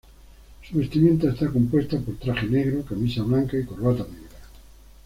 Su vestimenta está compuesta por traje negro, camisa blanca y corbata negra.